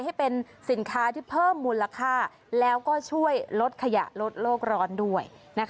ให้เป็นสินค้าที่เพิ่มมูลค่าแล้วก็ช่วยลดขยะลดโลกร้อนด้วย